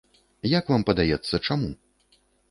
Як вам падаецца, чаму?